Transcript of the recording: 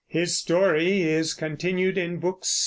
His story is continued in Book VI.